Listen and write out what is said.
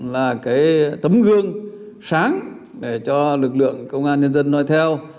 là cái tấm gương sáng để cho lực lượng công an nhân dân nói theo